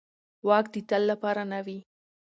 واک د تل لپاره نه وي